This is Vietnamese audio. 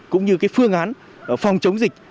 cũng như phương án phòng chống dịch